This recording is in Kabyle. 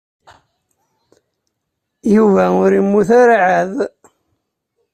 Yuba ur yemmut ara ɛad.